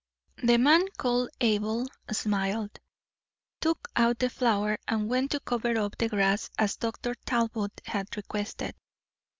The man called Abel smiled, took out the flower, and went to cover up the grass as Dr. Talbot had requested.